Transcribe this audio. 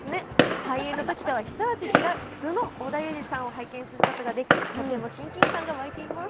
俳優のときとはひと味違う素の織田裕二さんを拝見することができとても親近感が湧いています。